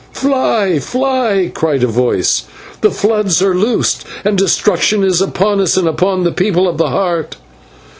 "Fly! fly!" cried a voice, "the floods are loosed and destruction is upon us and upon the People of the Heart!"